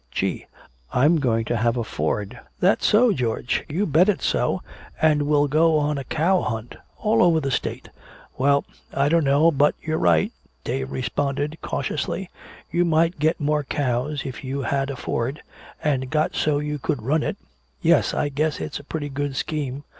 Gee! I'm going to have a Ford!" "That so, George?" "You bet it's so! And we'll go on a cow hunt all over the State!" "Well I dunno but what you're right," Dave responded cautiously. "You might get more cows if you had a Ford an' got so you could run it. Yes, I guess it's a pretty good scheme.